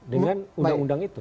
dengan undang undang itu